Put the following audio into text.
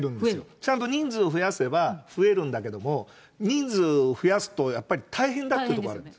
ちゃんと人数を増やせば増えるんだけど、人数増やすとやっぱり大変だっていうところあるんです。